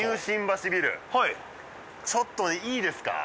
はいちょっといいですか？